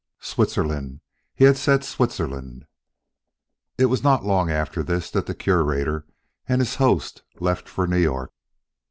Switzerland! He had said Switzerland. It was not long after this that the Curator and his host left for New York.